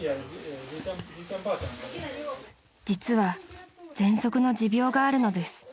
［実はぜんそくの持病があるのです］